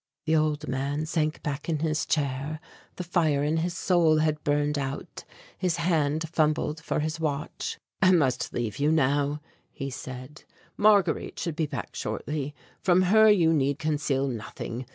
The old man sank back in his chair. The fire in his soul had burned out. His hand fumbled for his watch. "I must leave you now," he said; "Marguerite should be back shortly. From her you need conceal nothing.